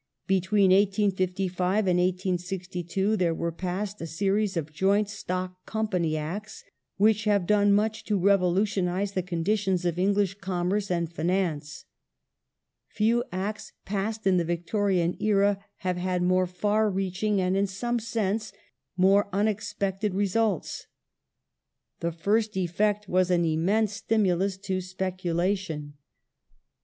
Between 1855 and 1862 there were passed a series of Joint Stock Companies Acts which have done much to revolutionize the conditions of English commerce and finance. Few Acts passed in the Victorian era have had more far reaching and in some sense more unexpected results. The first effect was an immense stimulus to speculation.